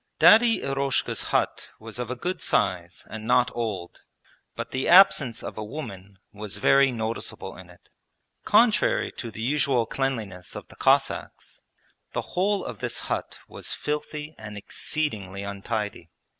Daddy Eroshka's hut was of a good size and not old, but the absence of a woman was very noticeable in it. Contrary to the usual cleanliness of the Cossacks, the whole of this hut was filthy and exceedingly untidy.